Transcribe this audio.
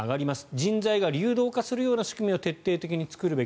人材が流動化するような仕組みを徹底的に作るべき。